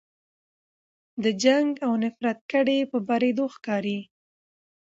د جنګ او نفرت کډې په بارېدو ښکاري